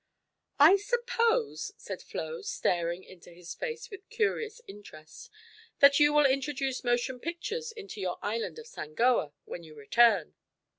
"I suppose," said Flo, staring into his face with curious interest, "that you will introduce motion pictures into your island of Sangoa, when you return?"